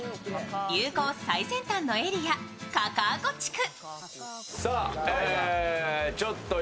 流行最先端のエリア・カカアコ地区。